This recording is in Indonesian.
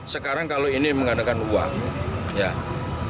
sekarang kalau ini mengadakan penipuan